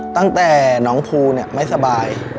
ตั้งแต่น้องภูไม่สบาย